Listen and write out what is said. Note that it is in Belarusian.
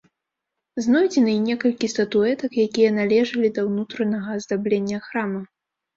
Знойдзены і некалькі статуэтак, якія належалі да ўнутранага аздаблення храма.